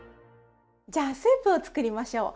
じゃあスープを作りましょう。